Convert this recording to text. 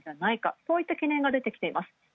そういった懸念が出ています。